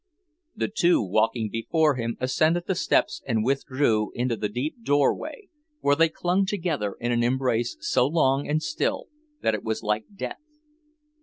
The two walking before him ascended the steps and withdrew into the deep doorway, where they clung together in an embrace so long and still that it was like death.